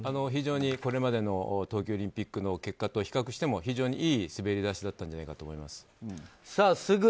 非常にこれまでの冬季オリンピックの結果と比較しても非常にいい滑り出しだったんじゃないかと思います。